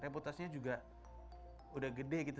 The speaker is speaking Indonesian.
reputasinya juga udah gede gitu